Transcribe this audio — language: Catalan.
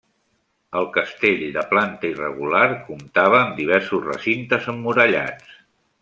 El castell, de planta irregular, comptava amb diversos recintes emmurallats.